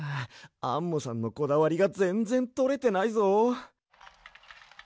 アンモさんのこだわりがぜんぜんとれてないぞ。